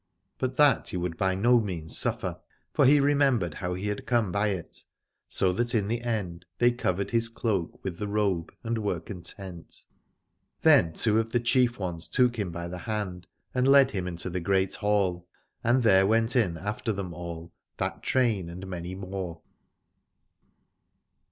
But that he would by no means suffer, for he remembered how he had come by it : so that in the end they covered his cloak with the robe and were content. Then two of the chief ones took him by the hand and led him into the great hall, and there went in after them all that train and many more.